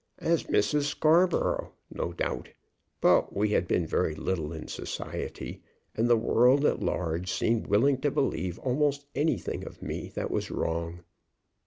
"As Mrs. Scarborough, no doubt. But we had been very little in society, and the world at large seemed willing to believe almost anything of me that was wrong.